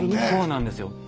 そうなんですよ。